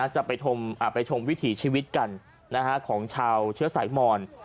จะไปชมวิถีชีวิตกันของชาวเชื้อสายมอน